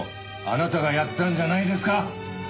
あなたがやったんじゃないですか？